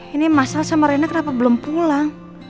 ini masalah sama rena kenapa belum pulang